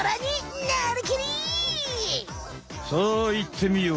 さあいってみよう。